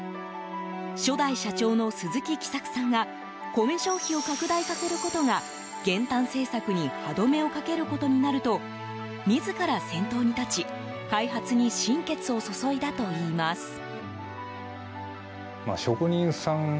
初代社長の鈴木喜作さんがコメ消費を拡大させることが減反政策に歯止めをかけることになると自ら先頭に立ち開発に心血を注いだといいます。